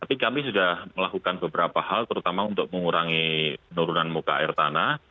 tapi kami sudah melakukan beberapa hal terutama untuk mengurangi penurunan muka air tanah